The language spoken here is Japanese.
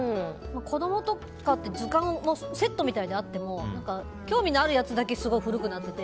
子供とかって図鑑がセットみたいにあっても興味のあるやつだけすごい古くなってて